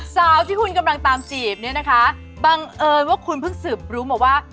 สาวที่คุณกำลังตามจีบเนี่ยนะคะบังเอิญว่าคุณเพิ่งสืบรู้มาว่า